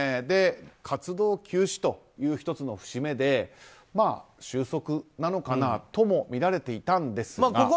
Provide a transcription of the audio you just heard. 活動休止という一つの節目で収束なのかなともみられていたんですが。